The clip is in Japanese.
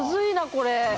これ。